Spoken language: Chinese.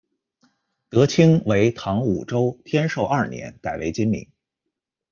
德清为唐武周天授二年改为今名。